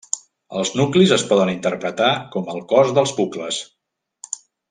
Els nuclis es poden interpretar com el cos dels bucles.